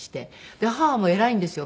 で母も偉いんですよ。